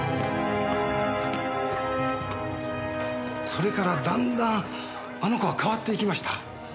それからだんだんあの子は変わっていきました。